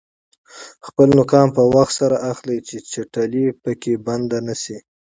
خپلې نوکان په وخت سره اخلئ چې چټلي پکې بنده نشي.